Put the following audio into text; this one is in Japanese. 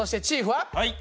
はい。